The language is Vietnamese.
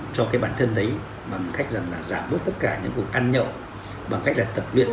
cho cái bản thân đấy bằng cách rằng là giảm bớt tất cả những cuộc ăn nhậu bằng cách là tập luyện